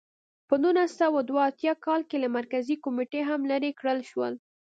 په نولس سوه دوه اتیا کال کې له مرکزي کمېټې هم لرې کړل شو.